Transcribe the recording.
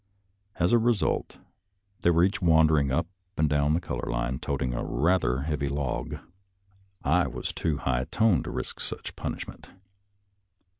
As a result, they are each wandering up and down the color line, toting a rather heavy log. I was too high toned to risk such a punishment.